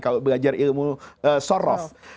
kalau belajar ilmu sorof